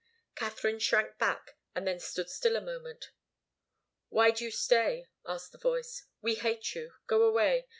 Katharine shrank back, and then stood still a moment. "Why do you stay?" asked the voice. "We hate you. Go away.